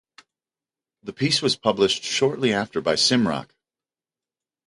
The piece was published shortly after by Simrock.